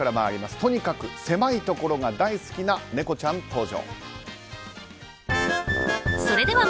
とにかく狭いところが大好きな猫ちゃん登場。